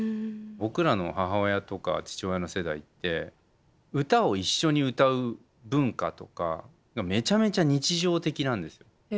僕らの母親とか父親の世代って歌を一緒に歌う文化とかめちゃめちゃ日常的なんですよ。